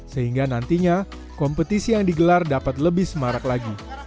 sehingga nantinya kompetisi yang digelar dapat lebih semarak lagi